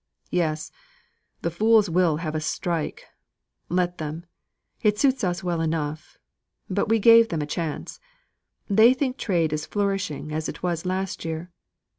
"Yes; the fools will have a strike. Let them. It suits us well enough. But we gave them a chance. They think trade is flourishing as it was last year.